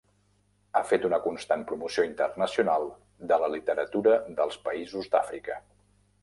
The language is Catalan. Ha fet una constant promoció internacional de la literatura dels països d'Àfrica.